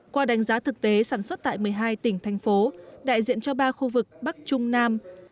qua đánh giá thực tế sản xuất tại một mươi hai tỉnh thành phố đại diện cho ba khu vực bắc trung nam